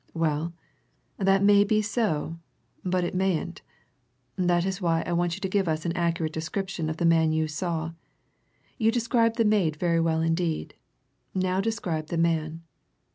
"Well, that may be so but it mayn't. That is why I want you to give us an accurate description of the man you saw. You described the maid very well indeed. Now describe the man."